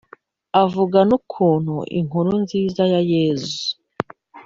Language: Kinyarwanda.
avuga n’ukuntu inkuru nziza ya yezu